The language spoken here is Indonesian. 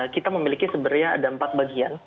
kita memiliki sebenarnya ada empat bagian